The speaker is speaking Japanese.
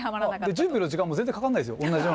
準備の時間も全然かかんないっすよ。